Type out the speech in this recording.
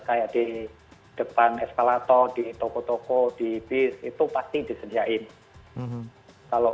kayak di depan eskalator di toko toko di bis itu pasti disediain